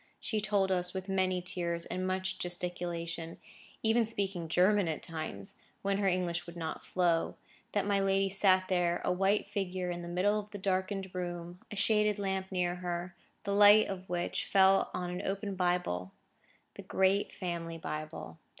She told us, with many tears, and much gesticulation, even speaking German at times, when her English would not flow, that my lady sat there, a white figure in the middle of the darkened room; a shaded lamp near her, the light of which fell on an open Bible,—the great family Bible.